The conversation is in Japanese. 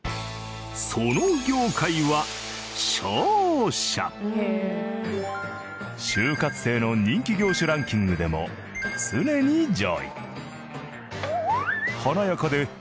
その業界は就活生の人気業種ランキングでも常に上位。